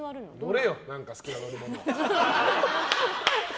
乗れよ、何か好きな乗り物。